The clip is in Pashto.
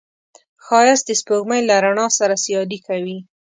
ښایست د سپوږمۍ له رڼا سره سیالي کوي